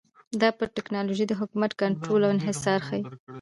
دا پر ټکنالوژۍ د حکومت کنټرول او انحصار ښيي